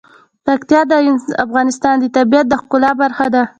پکتیا د افغانستان د طبیعت د ښکلا برخه ده.